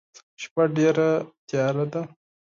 شپه ډيره تیاره ده.